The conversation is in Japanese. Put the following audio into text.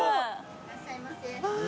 いらっしゃいませ。